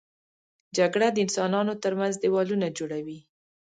جګړه د انسانانو تر منځ دیوالونه جوړوي